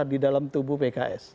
di dalam tubuh pks